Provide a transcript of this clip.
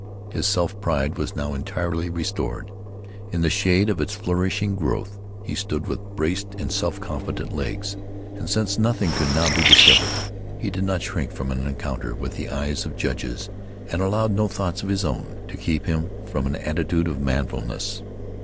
His self pride was now entirely restored. In the shade of its flourishing growth he stood with braced and self confident legs, and since nothing could now be discovered he did not shrink from an encounter with the eyes of judges, and allowed no thoughts of his own to keep him from an attitude of manfulness.